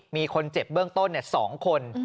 มีคนเจ็บเบื้องต้น๒คน